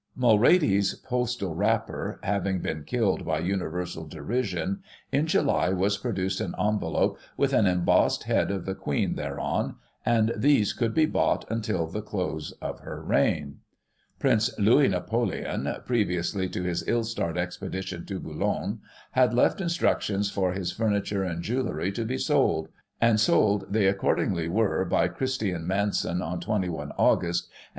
Mulready's postal wrapper having been killed by universal derision : in July was produced an envelope with an embossed head of the Queen thereon, and these could be bought until the close of her reign. Prince Louis Napoleon, previously to his ill starred expedi tion to Boulogne, had left instructions for his furniture and jewellery to be sold ; and sold they accordingly were by Digiti ized by Google i84o] NAPOLEONIC RELICS. 141 Christie and Manson on 21 Aug.